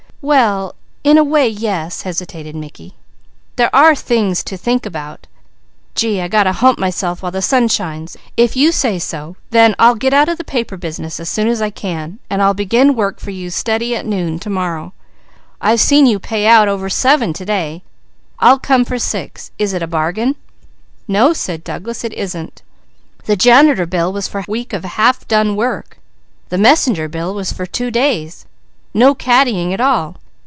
"Well in a way, yes," hesitated Mickey. "There are things to think about! Gee I got to hump myself while the sun shines! If you say so, then I'll get out of the paper business as soon as I can; and I'll begin work for you steady at noon to morrow. I've seen you pay out over seven to day. I'll come for six. Is it a bargain?" "No," said Douglas, "it isn't! The janitor bill was for a week of half done work. The messenger bill was for two days, no caddying at all.